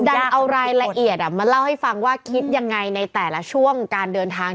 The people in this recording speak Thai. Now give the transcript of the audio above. ดันเอารายละเอียดมาเล่าให้ฟังว่าคิดยังไงในแต่ละช่วงการเดินทาง